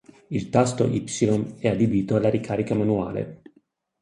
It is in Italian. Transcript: Il tasto Y è adibito alla ricarica manuale.